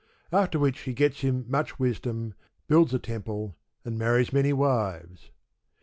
After which he gets him much wisdom, builds a temple, and marries many wives.